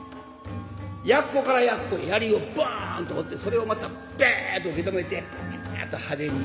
やっこからやっこへ槍をバーンと放ってそれをまたバーンと受け止めてパアッと派手に。